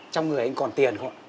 trong người anh còn tiền không ạ